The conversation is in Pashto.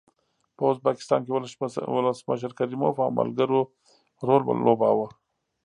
په ازبکستان کې ولسمشر کریموف او ملګرو رول لوباوه.